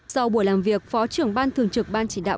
sau buổi làm việc phó trưởng ban thường trực ban chỉ đạo